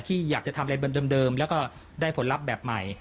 ที่อยากจะทำอะไรเหมือนเดิมแล้วก็ได้ผลลัพธ์แบบใหม่